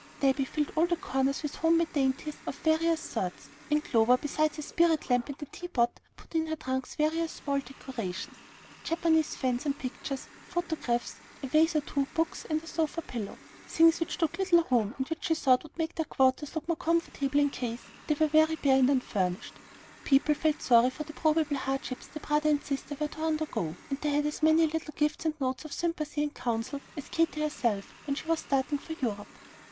Debby filled all the corners with home made dainties of various sorts; and Clover, besides a spirit lamp and a tea pot, put into her trunks various small decorations, Japanese fans and pictures, photographs, a vase or two, books and a sofa pillow, things which took little room, and which she thought would make their quarters look more comfortable in case they were very bare and unfurnished. People felt sorry for the probable hardships the brother and sister were to undergo; and they had as many little gifts and notes of sympathy and counsel as Katy herself when she was starting for Europe.